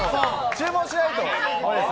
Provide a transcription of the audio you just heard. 注文しないと。